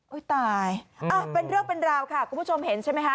ตายเป็นเรื่องเป็นราวค่ะคุณผู้ชมเห็นใช่ไหมคะ